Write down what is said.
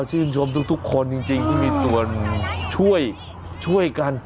ชื่อขึ้นชมทุกคนจริงที่มีส่วนช่วยกัน